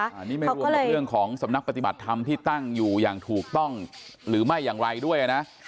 อันนี้ไม่รวมกับเรื่องของสำนักปฏิบัติธรรมที่ตั้งอยู่อย่างถูกต้องหรือไม่อย่างไรด้วยนะ